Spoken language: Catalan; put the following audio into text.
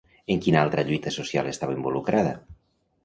En quina altra lluita social estava involucrada?